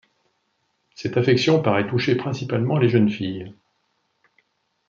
Cette affection paraît toucher principalement les jeunes filles.